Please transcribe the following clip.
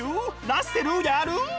ラッセルやる！